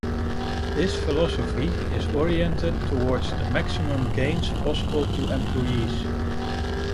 This philosophy is oriented toward the maximum gains possible to employees.